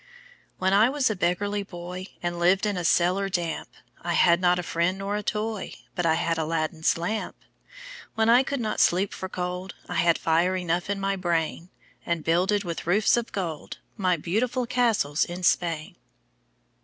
When I was a beggarly boy, And lived in a cellar damp, I had not a friend nor a toy, But I had Aladdin's lamp; When I could not sleep for cold, I had fire enough in my brain, And builded, with roofs of gold, My beautiful castles in Spain!